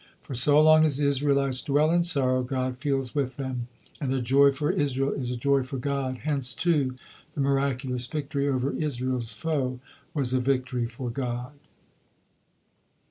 For so long as the Israelites dwell in sorrow, God feels with them, and a joy for Israel is a joy for God, hence, too, the miraculous victory over Israel's foe was a victory for God.